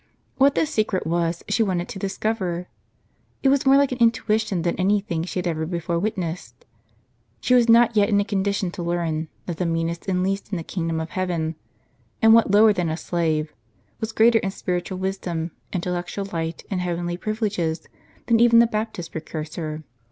What this secret was, she wanted to discover ; it was more like an intuition than any thing she had before wit nessed. She was not yet in a condition to learn, that the meanest and least in the Kingdom of Heaven (and what lower than a slave ?) w^as greater in spiritual wisdom, intel lectual light, and heavenly privileges, than even the Baptist Precursor.